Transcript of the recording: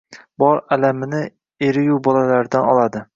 Bor alamini eriyu bolalaridan oladi